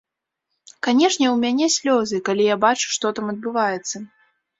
Канешне, у мяне слёзы, калі я бачу, што там адбываецца.